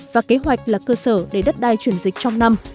và kế hoạch là cơ sở để đất đai chuyển dịch trong năm